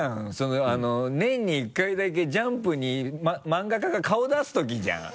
年に１回だけ「ジャンプ」に漫画家が顔出す時じゃん。